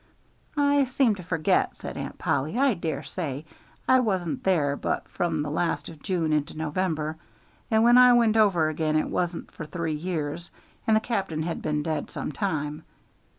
"I seem to forget," said Aunt Polly. "I dare say. I wasn't there but from the last of June into November, and when I went over again it wasn't for three years, and the cap'n had been dead some time.